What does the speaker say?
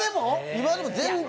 今でも全然。